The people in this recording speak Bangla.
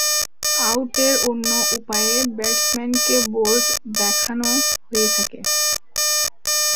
আউটের অন্য উপায়ে ব্যাটসম্যানকে বোল্ড দেখানো হয়ে থাকে।